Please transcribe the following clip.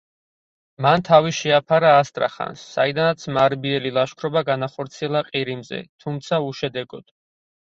მან თავი შეაფარა ასტრახანს, საიდანაც მარბიელი ლაშქრობა განახორციელა ყირიმზე, თუმცა უშედეგოდ.